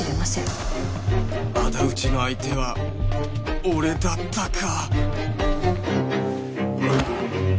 あだ討ちの相手は俺だったか